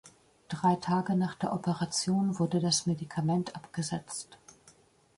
Drei Tage nach der Operation wurde das Medikament abgesetzt.